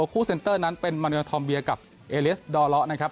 คู่เซนเตอร์นั้นเป็นมณฑ์ธอมเบียร์กับเอเลซ์ดอลเลาะนะครับ